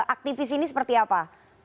aktivis ini seperti apa